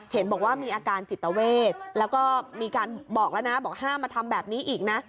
เห็นบอกว่ามีอาการจิตเวทแล้วก็มีการบอกแล้วนะบอกห้ามมาทำแบบนี้อีกนะ